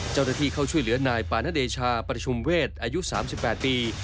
เจ้าหน้าที่เข้าช่วยเหลือนายปานเดชาประชุมเวศอายุ๓๘ปี